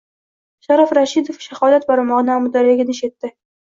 Sharof Rashidov shahodat barmog‘ini Amudaryoga nish etdi.